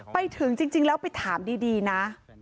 ไปถึงจริงแล้วไปถามดีนะ